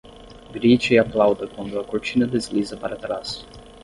Grite e aplauda quando a cortina desliza para trás.